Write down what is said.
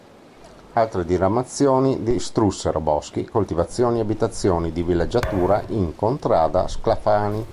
Altre diramazioni distrussero boschi, coltivazioni e abitazioni di villeggiatura in "Contrada Sclafani".